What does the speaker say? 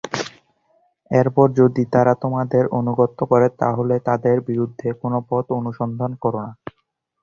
এরপর যদি তারা তোমাদের আনুগত্য করে তাহলে তাদের বিরুদ্ধে কোন পথ অনুসন্ধান করো না।